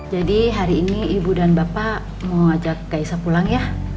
jadi hari ini ibu dan bapak mau ajak kaisa pulang ya